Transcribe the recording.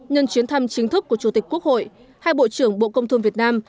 nhân chuyến thăm chính thức của chủ tịch quốc hội hai bộ trưởng bộ công thương việt nam